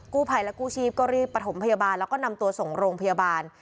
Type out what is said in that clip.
ภัยและกู้ชีพก็รีบประถมพยาบาลแล้วก็นำตัวส่งโรงพยาบาล